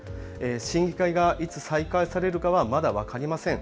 審議会がいつ再開されるかはまだ分かりません。